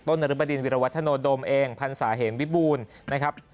นรบดินวิรวัฒโนโดมเองพันศาเหมวิบูรณ์นะครับ